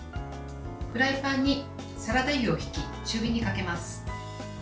フライパンにサラダ油をひき中火にかけます。